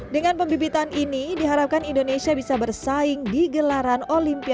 dengan pembibitan ini diharapkan indonesia bisa bersaing di gelaran olimpiade